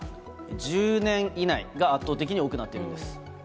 １０年以内が圧倒的に多くなっているんです。